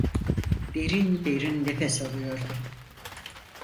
Derin derin nefes alıyordu.